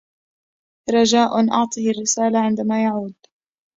رجاءً أعطه الرسالة عندما يعود.